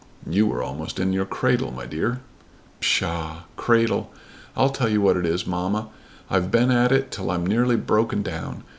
"You were almost in your cradle, my dear." "Psha! cradle! I'll tell you what it is, mamma. I've been at it till I'm nearly broken down.